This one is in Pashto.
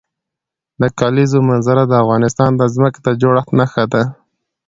د کلیزو منظره د افغانستان د ځمکې د جوړښت نښه ده.